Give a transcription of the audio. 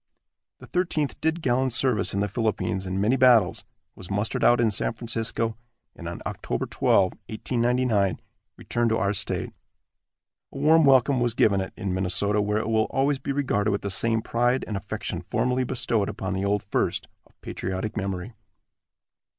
The Thirteenth did gallant service in the Philippines, in many battles, was mustered out in San Francisco, and, on Oct. 12, 1899, returned to our state. A warm welcome was given it in Minnesota, where it will always be regarded with the same pride and affection formerly bestowed upon the old First, of patriotic memory.